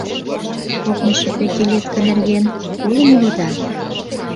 Кокымшо пятилетка нерген колын улыда?..